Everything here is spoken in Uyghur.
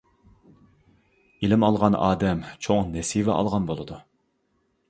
ئىلىم ئالغان ئادەم چوڭ نېسىۋە ئالغان بولىدۇ.